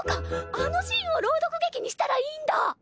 あのシーンを朗読劇にしたらいいんだ！